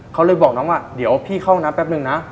เขาเลยบอกน้องว่าเดี๋ยวพี่เข้าน้ำแป๊บนึงนะ